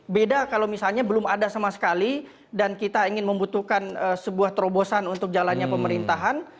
beda kalau misalnya belum ada sama sekali dan kita ingin membutuhkan sebuah terobosan untuk jalannya pemerintahan